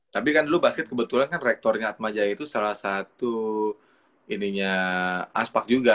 tapi kan dulu basket kebetulan kan rektornya atmajaya itu salah satu aspak juga